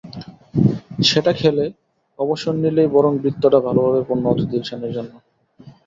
সেটা খেলে অবসর নিলেই বরং বৃত্তটা ভালোভাবে পূর্ণ হতো দিলশানের জন্য।